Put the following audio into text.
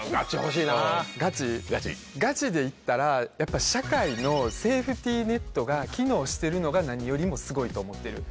ガチで言ったらやっぱ社会のセーフティーネットが機能してるのが何よりもすごいと思ってる。